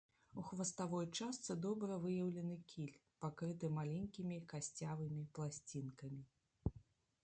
У хваставой частцы добра выяўлены кіль, пакрыты маленькімі касцявымі пласцінкамі.